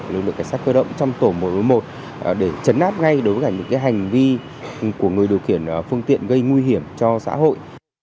lực lượng cảnh sát cơ động trong tổ một trăm bốn mươi một để chấn áp ngay đối với những hành vi của người điều khiển phương tiện gây nguy hiểm cho xã hội